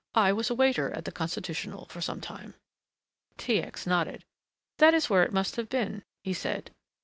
I was a waiter at the Constitutional for some time." T. X. nodded. "That is where it must have been," he said.